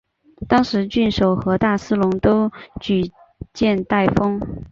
当时郡守和大司农都举荐戴封。